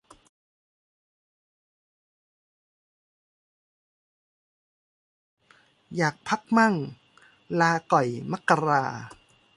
อยากพักมั่ง ลาก่อยมกรา